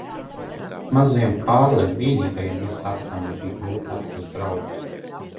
Mazajam Kārlim vienīgajam visā apkaimē bija grūti atrast draugus.